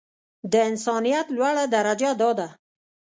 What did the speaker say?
د انسانيت لوړه درجه دا ده.